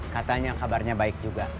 katanya kabarnya baik juga